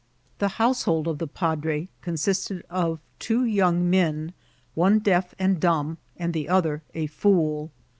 The household of the padre consisted of two young men, one deaf and dumb, and the other a fool.